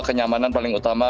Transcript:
kenyamanan paling utama